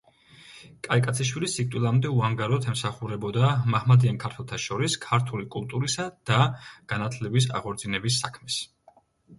კაიკაციშვილი სიკვდილამდე უანგაროდ ემსახურებოდა მაჰმადიან ქართველთა შორის ქართული კულტურისა და განათლების აღორძინების საქმეს.